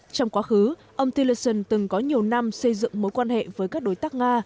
trong quá khứ ông teleson từng có nhiều năm xây dựng mối quan hệ với các đối tác nga